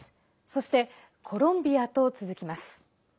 そして、コロンビアと続きます。